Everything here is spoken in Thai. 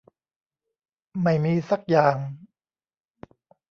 ไม่มีซักอย่าง